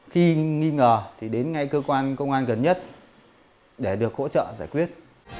khi nghi ngờ thì đến ngay cơ quan công an gần nhất để được hỗ trợ giải quyết